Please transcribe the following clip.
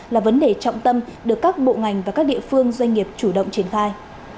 là vấn đề trọng tâm được các bộ ngành và các địa phương doanh nghiệp chủ động triển khai